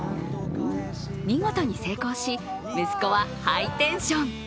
見事に成功し、息子はハイテンション。